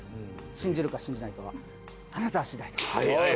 信じるか信じないかはあなた次第です。